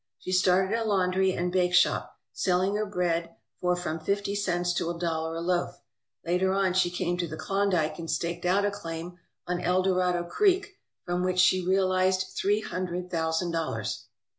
She started a laundry and bake shop, selling her bread for from fifty cents to a dollar a loaf. Later on she came to the Klondike and staked out a claim on Eldorado Creek, from which she realized three hundred thousand dollars.